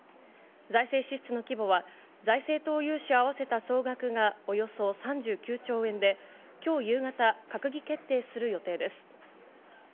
財政支出の規模は財政投融資を合わせた総額はおよそ３９兆円で、今日夕方、閣議決定する予定です。